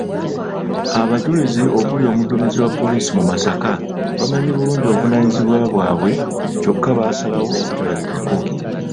Abajulizi okuli omuduumizi wa poliisi mu Masaka bamanyi bulungi obuvunaanyizibwa bwabwe kyokka baasalawo obutalabikako.